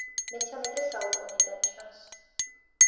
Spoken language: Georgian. მეცამეტე საუკუნიდან ჩანს.